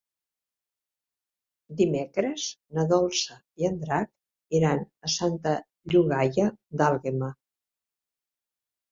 Dimecres na Dolça i en Drac iran a Santa Llogaia d'Àlguema.